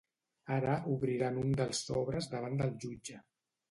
Ara obriran un dels sobres davant del jutge.